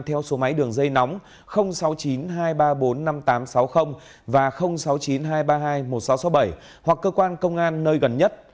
theo số máy đường dây nóng sáu mươi chín hai trăm ba mươi bốn năm nghìn tám trăm sáu mươi và sáu mươi chín hai trăm ba mươi hai một nghìn sáu trăm sáu mươi bảy hoặc cơ quan công an nơi gần nhất